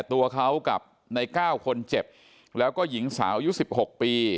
ตัวเขากับใน๙คนเจ็บแล้วก็หญิงสาวยุ้ย๑๖ปี